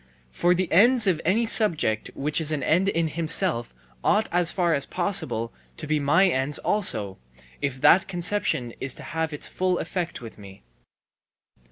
For the ends of any subject which is an end in himself ought as far as possible to be my ends also, if that conception is to have its full effect with me.